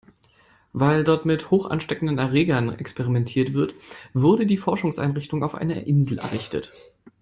Weil dort mit hochansteckenden Erregern experimentiert wird, wurde die Forschungseinrichtung auf einer Insel errichtet.